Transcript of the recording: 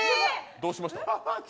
どうしました？